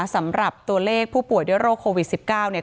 สำหรับตัวเลขผู้ป่วยด้วยโรคโควิด๑๙เนี่ย